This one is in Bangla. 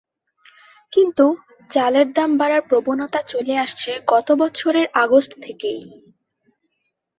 কিন্তু চালের দাম বাড়ার প্রবণতা চলে আসছে গত বছরের আগস্ট থেকেই।